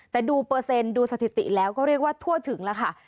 แต่ดูเปอร์เซ็นต์ดูสถิติแล้วก็เรียกว่าทั่วถึงแล้วค่ะ